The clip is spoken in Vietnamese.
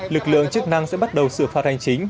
lực lượng chức năng sẽ bắt đầu xử phạt hành chính